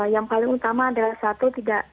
yang paling utama adalah satu tidak